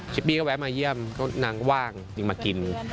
ชิปปี้แวะมาเยี่ยมก็นั่งก็ห้ามยังมากิน